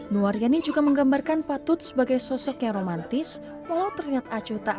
luar yani juga menggambarkan patut sebagai sosok yang romantis walau ternyata acuh tak